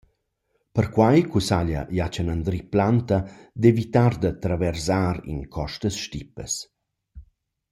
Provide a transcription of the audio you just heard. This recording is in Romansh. Perquai cussaglia Jachen Andri Planta d’evitar da traversar in costas stipas.